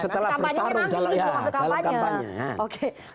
setelah pertarung dalam kampanye